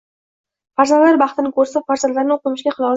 Farzandlari baxtini ko‘rsa, farzandlarini o‘qimishli qila olsa.